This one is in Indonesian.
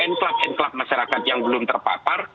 n club n club masyarakat yang belum terpapar